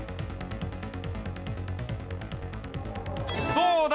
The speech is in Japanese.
どうだ？